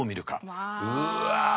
うわ。